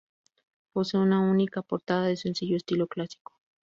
Posee una única portada de sencillo estilo clásico.